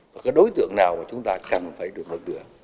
và có đối tượng nào mà chúng ta cần phải được mở cửa